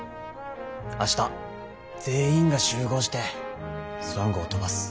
明日全員が集合してスワン号を飛ばす。